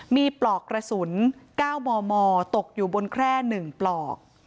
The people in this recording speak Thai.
มีปลอกกระสุนก้าวมมตกอยู่บนแคร่หนึ่งปลอก